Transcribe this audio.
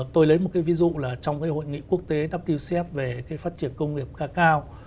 tôi lấy một cái ví dụ là trong cái hội nghị quốc tế wcf về phát triển công nghiệp cao cao